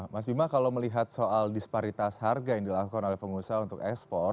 mas bima kalau melihat soal disparitas harga yang dilakukan oleh pengusaha untuk ekspor